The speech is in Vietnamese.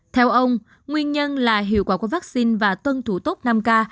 theo ông nguyên nhân là hiệu quả của vaccine và tuân thủ tốt năm k